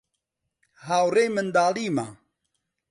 هاوڕێی منداڵیمە.